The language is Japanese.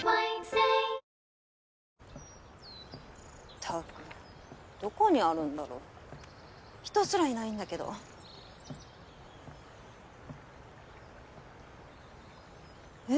ったくどこにあるんだろう人すらいないんだけどえっ？